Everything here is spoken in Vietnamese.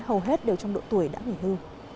hầu hết đều trong độ tuổi đã nghỉ hư